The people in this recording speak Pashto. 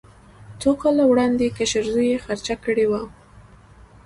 څو کاله وړاندې کشر زوی یې خرڅه کړې وه.